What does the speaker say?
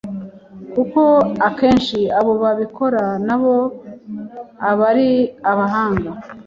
kuko akenshi abo babikora nabo aba ari abahanga